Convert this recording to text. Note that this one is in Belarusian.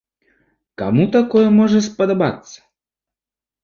Каму такое можа спадабацца?